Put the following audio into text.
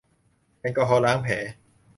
แอลกอฮอล์ล้างแผล